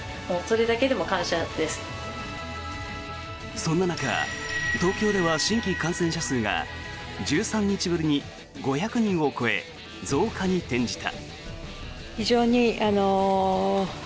そんな中東京では新規感染者数が１３日ぶりに５００人を超え増加に転じた。